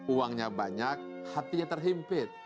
uangnya banyak hatinya terhimpit